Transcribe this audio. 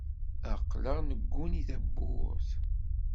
Aql-aɣ negguni tawwurt.